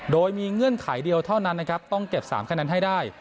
โดยมีเงื่อนไขเดียวเท่านั้นนะครับต้องเก็บ๓คะแนนให้ได้